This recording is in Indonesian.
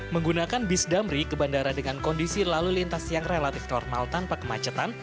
menggunakan bis damri ke bandara dengan kondisi lalu lintas yang relatif normal tanpa kemacetan